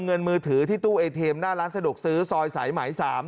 เงินมือถือที่ตู้เอเทมหน้าร้านสะดวกซื้อซอยสายไหม๓